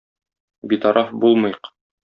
Битараф булмыйк!